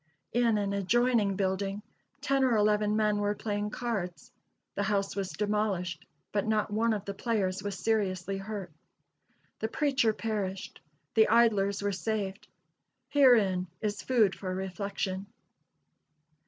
In an adjoining building, ten or eleven men were playing cards. The house was demolished, but not one of the players was seriously hurt. The preacher perished; the idlers were saved herein is food for reflection.